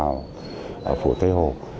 ở phủ tây hồ